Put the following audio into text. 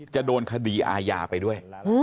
จะโดนคดีอาญาไปด้วย